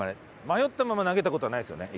迷ったまま投げた事はないですよね？